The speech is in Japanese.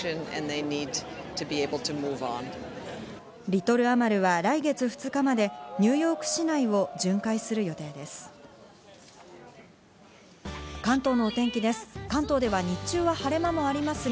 リトル・アマルは来月２日までニューヨーク市内を巡回する予定です。